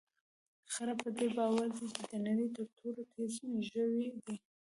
خره په دې باور دی چې د نړۍ تر ټولو تېز ژوی دی.